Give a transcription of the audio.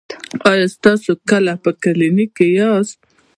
ایا تاسو کله په کلینیک کې یاست؟